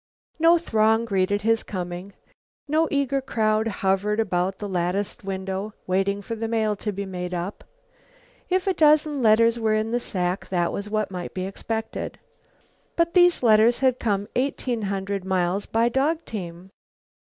No throng greeted his coming. No eager crowd hovered about the latticed window waiting for the mail to be "made up." If a dozen letters were in the sack, that was what might be expected. But these letters had come eighteen hundred miles by dog team.